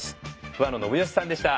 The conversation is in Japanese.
桑野信義さんでした。